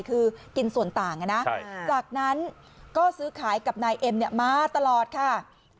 คือกินส่วนต่างนะจากนั้นก็ซื้อขายกับนายเอ็มมาตลอดค่ะ